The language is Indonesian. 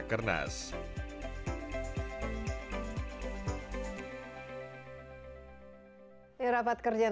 rapat kerja nasional pembangunan rakyat rakyat kota padang